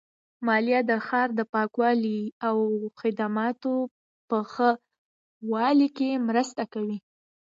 مالیه د ښار د پاکوالي او خدماتو په ښه والي کې مرسته کوي.